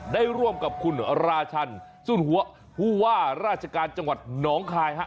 ได้ร่วมกับคุณราชันสุนหัวผู้ว่าราชการจังหวัดหนองคายฮะ